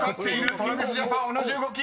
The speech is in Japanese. ＴｒａｖｉｓＪａｐａｎ同じ動き！］